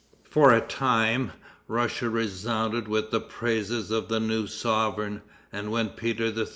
For a time, Russia resounded with the praises of the new sovereign, and when Peter III.